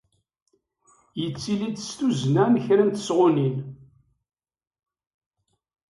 Yettili-d s tuzna n kra n tesɣunin.